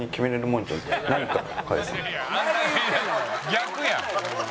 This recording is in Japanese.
逆やん。